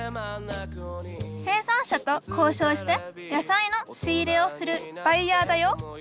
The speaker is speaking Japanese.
生産者とこうしょうして野菜の仕入れをするバイヤーだよ